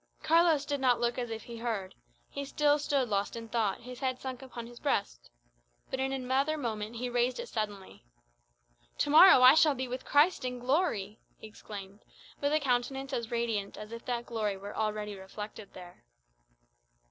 '" Carlos did not look as if he heard; he still stood lost in thought, his head sunk upon his breast. But in another moment he raised it suddenly. "To morrow I shall be with Christ in glory!" he exclaimed, with a countenance as radiant as if that glory were already reflected there.